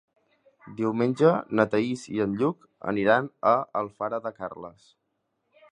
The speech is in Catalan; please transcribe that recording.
Diumenge na Thaís i en Lluc aniran a Alfara de Carles.